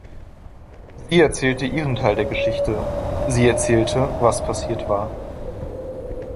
Sie erzählte ihren Teil der Geschichte — sie erzählte, was passiert war.